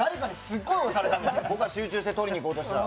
僕が集中して取りに行こうとしたら。